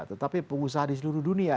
tetapi pengusaha di seluruh dunia